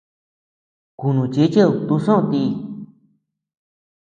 Kunuchichid tusoʼö ti.